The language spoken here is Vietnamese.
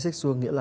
asexual nghĩa là